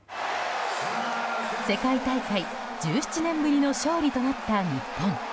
世界大会１７年ぶりの勝利となった日本。